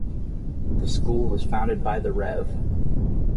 The school was founded by the Rev.